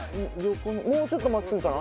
もうちょっと真っすぐかな。